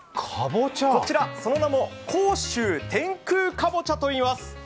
こちらその名も甲州天空かぼちゃといいます。